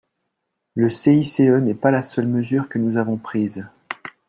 Le CICE n’est pas la seule mesure que nous avons prise.